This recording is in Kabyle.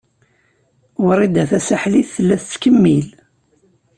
Wrida Tasaḥlit tella tettkemmil.